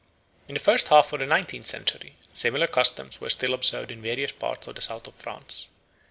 In the first half of the nineteenth century similar customs were still observed in various parts of the south of France.